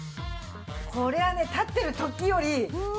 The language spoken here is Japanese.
これはね立ってる時よりこの辺。